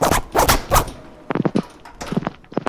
Betikotasunak ez du hasierarik, ez amaierarik.